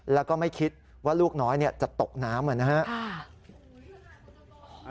แล้วก็ไม่คิดว่าลูกน้อยจะตกน้ำนะครับ